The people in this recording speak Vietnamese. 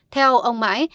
theo ông mãi